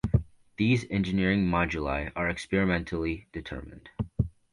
These engineering moduli are experimentally determined.